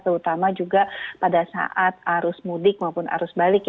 terutama juga pada saat arus mudik maupun arus balik